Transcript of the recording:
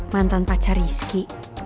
mantan pacar rizky